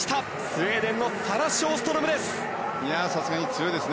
スウェーデンのサラ・ショーストロムです。